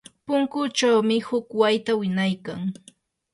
punkuchawmi huk wayta winaykan.